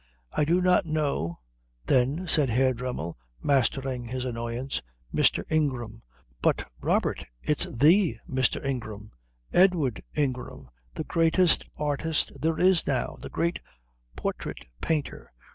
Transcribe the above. "I do not know," then said Herr Dremmel, mastering his annoyance, "Mr. Ingram." "Rut, Robert, it's the Mr. Ingram. Edward Ingram. The greatest artist there is now. The great portrait painter.